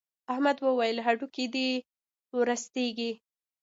احمد وويل: هډوکي دې ورستېږي.